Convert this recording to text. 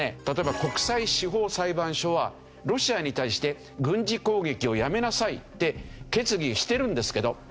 例えば国際司法裁判所はロシアに対して軍事攻撃をやめなさいって決議してるんですけど。